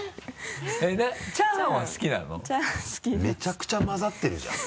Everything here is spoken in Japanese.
めちゃくちゃまざってるじゃん。